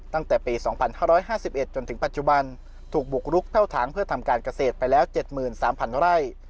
ตั้งแต่ปีสองพันห้าร้อยห้าสิบเอ็ดจนถึงปัจจุบันถูกบุกลุกเท่าทางเพื่อทำการเกษตรไปแล้วเจ็ดหมื่นสามพันเท่าไร